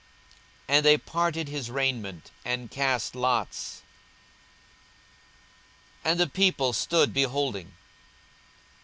And they parted his raiment, and cast lots. 42:023:035 And the people stood beholding.